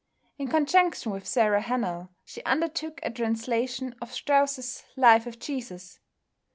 In conjunction with Sarah Hennell, she undertook a translation of Strauss's "Life of Jesus."